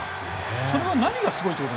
それは何がすごいってこと？